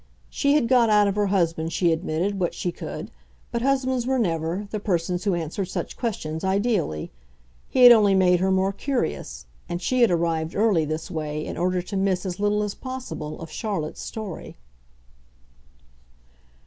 She had got out of her husband, she admitted, what she could, but husbands were never the persons who answered such questions ideally. He had only made her more curious, and she had arrived early, this way, in order to miss as little as possible of Charlotte's story.